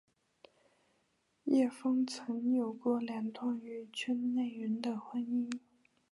叶枫曾有过两段与圈内人的婚姻。